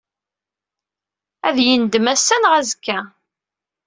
Ad yendem ass-a neɣ azekka.